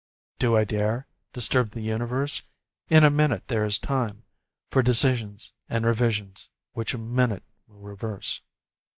Do I dare Disturb the universe? In a minute there is time For decisions and revisions which a minute will reverse.